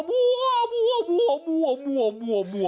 มั่วจริงคุณอ่ะ